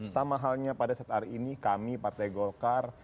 sama halnya pada saat hari ini kami partai golkar